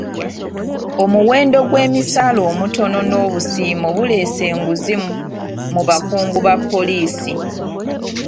Omuwendo gw'emisaala omutono n'obusiimo buleese enguzi mu bakungu ba poliisi.